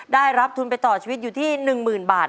ได้รับทุนไปต่อชีวิตอยู่ที่๑๐๐๐บาท